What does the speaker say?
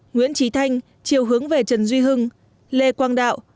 nguyễn trí thanh chiều hướng về trần duy hưng lê quang đạo